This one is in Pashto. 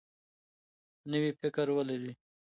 نوی فکر ولرئ.